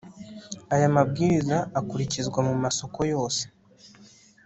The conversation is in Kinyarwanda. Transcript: aya mabwiriza akurikizwa mu masoko yose